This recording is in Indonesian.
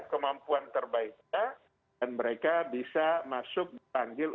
kemampuan terbaiknya dan mereka bisa masuk dipanggil